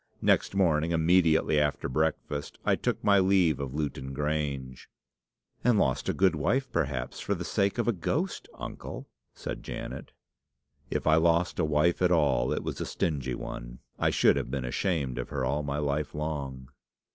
Next morning, immediately after breakfast, I took my leave of Lewton Grange." "And lost a good wife, perhaps, for the sake of a ghost, uncle!" said Janet. "If I lost a wife at all, it was a stingy one. I should have been ashamed of her all my life long."